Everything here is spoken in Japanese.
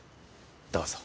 どうぞ。